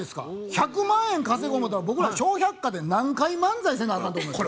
１００万円稼ご思うたら僕ら「笑百科」で何回漫才せなあかんと思います？